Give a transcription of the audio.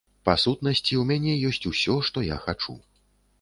Па сутнасці, у мяне ёсць усё, што я хачу.